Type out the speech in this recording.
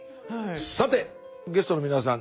さてゲストの皆さん